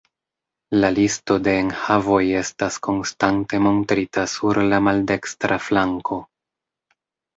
La listo de enhavoj estas konstante montrita sur la maldekstra flanko.